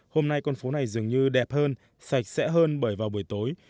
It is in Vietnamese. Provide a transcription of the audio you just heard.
hôm nay con phố này dường như đẹp hơn sạch sẽ hơn bởi vào buổi tối